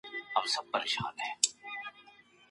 چې پښتانه ادبيات لري.